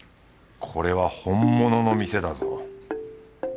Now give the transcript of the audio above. これは本物の店だぞ。